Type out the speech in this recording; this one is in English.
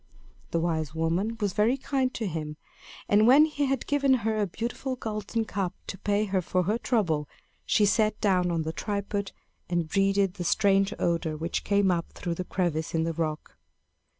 The wise woman was very kind to him; and when he had given her a beautiful golden cup to pay her for her trouble, she sat down on the tripod and breathed the strange odor which came up through the crevice in the rock.